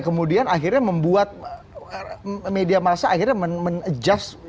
kemudian akhirnya membuat media masa akhirnya men adjust